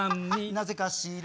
「なぜかしら」